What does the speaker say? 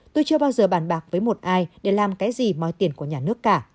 tôi chưa bao giờ bàn bạc với một ai để làm cái gì moi tiền của nhà nước cả